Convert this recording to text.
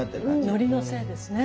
のりのせいですね。